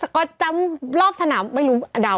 ก็จำรอบสนามไม่รู้เดา